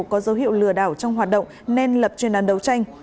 có dấu hiệu lừa đảo trong hoạt động nên lập chuyên án đấu tranh